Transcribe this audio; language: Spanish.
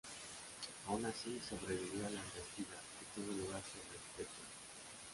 Aun así, sobrevivió a la embestida, que tuvo lugar sobre Tetuán.